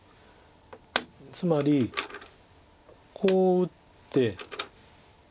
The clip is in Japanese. つまりこう打って。